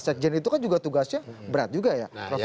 sekjen itu kan juga tugasnya berat juga ya prof